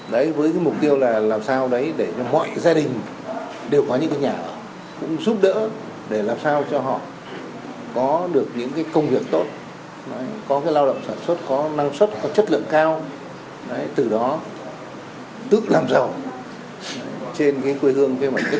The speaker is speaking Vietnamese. đã và đang được hoàn thiện